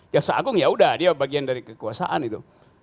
ya seagung yaudah dia bagian dari kekuasaan itu